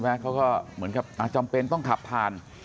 เขาก็เหมือนกับจำเป็นต้องขับผ่าน